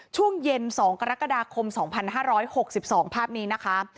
ช่วงเย็น๒กรกฎาคม๒๕๖๒ภาพนี้นะคะ